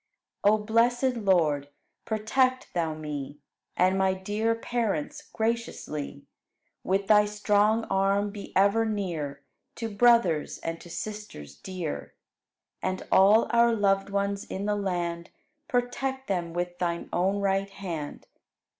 13. O blessed Lord, protect Thou me And my dear parents graciously; With Thy strong arm be ever near To brothers and to sisters dear. And all our loved ones in the land, Protect them with Thine own right hand.